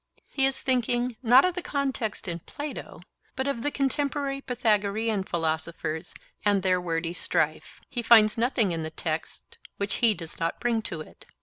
He is thinking, not of the context in Plato, but of the contemporary Pythagorean philosophers and their wordy strife. He finds nothing in the text which he does not bring to it.